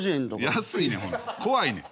安いねん。